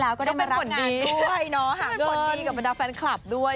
หาคนดีกับบรรดาแฟนคลับด้วย